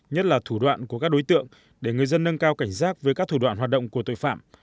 nhất là thủ đoạn của các đối tượng để người dân nâng cao cảnh giác với các thủ đoạn hoạt động của tội phạm